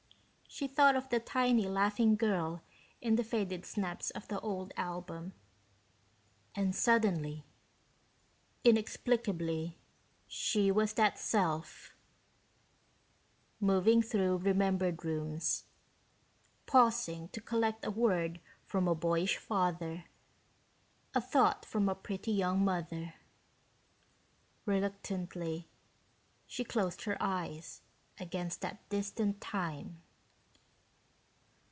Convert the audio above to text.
She thought of the tiny, laughing girl in the faded snaps of the old album and suddenly, inexplicably, she was that self, moving through remembered rooms, pausing to collect a word from a boyish father, a thought from a pretty young mother. Reluctantly, she closed her eyes against that distant time.